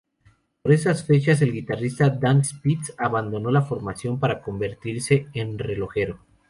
Por esas fechas, el guitarrista Dan Spitz abandonó la formación para convertirse en relojero.